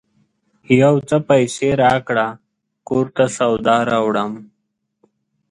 یو څه پیسې راکړه ! کور ته سودا راوړم